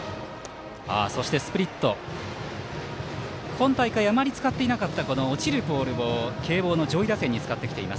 今大会、あまり使っていなかった落ちるボールを慶応の上位打線に使ってきています。